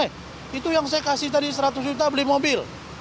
eh itu yang saya kasih tadi seratus juta beli mobil